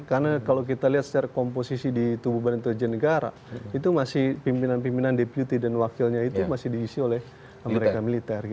karena kalau kita lihat secara komposisi di tubuh badan intelijen negara itu masih pimpinan pimpinan deputi dan wakilnya itu masih diisi oleh mereka militer